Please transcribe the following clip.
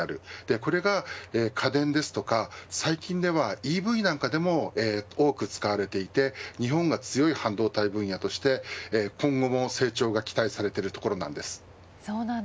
これが家電ですとか最近ではＥＶなんかでも多く使われていて日本が強い半導体分野として今後も成長が期待されているところなんです。